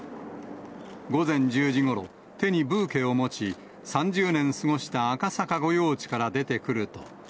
午前１０時ごろ、手にブーケを持ち、３０年過ごした赤坂御用地から出てくると。